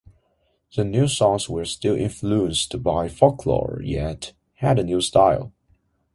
The new songs were still influenced by folklore yet had a new style.